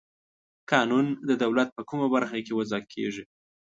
قانون د دولت په کومه برخه کې وضع کیږي؟